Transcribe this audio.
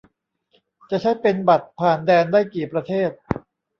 จะใช้เป็น "บัตรผ่านแดน" ได้กี่ประเทศ